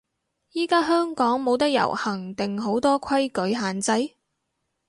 依家香港冇得遊行定好多規矩限制？